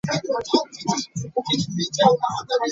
Bwemusisinkanye ne nsanyuka nnyo nnyo ddala.